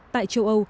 tại châu âu